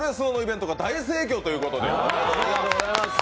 ありがとうございます。